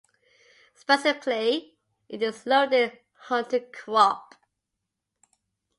Specifically, it is a "loaded" hunting crop.